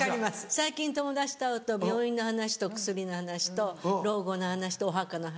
最近友達と会うと病院の話と薬の話と老後の話とお墓の話。